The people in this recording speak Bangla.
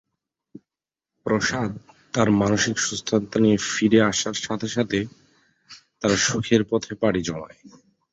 প্রসাদ তার মানসিক সুস্থতা নিয়ে ফিরে আসার সাথে সাথে তারা সুখের পথে পাড়ি জমায়।